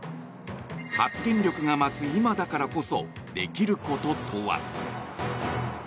発言力が増す今だからこそできることとは。